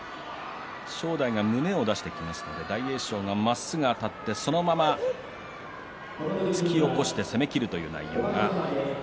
正代が胸を出してきますので大栄翔がまっすぐあたってそのまま突き起こして攻めきるという内容です。